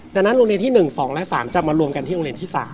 ดังนั้นโรงเรียนที่๑๒และ๓จะมารวมกันที่โรงเรียนที่๓